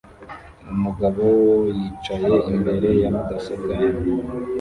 Umugabo yicaye imbere ya mudasobwa ye